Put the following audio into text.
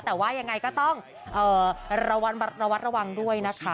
แต่ว่ายังไงก็ต้องระวัดระวังด้วยนะคะ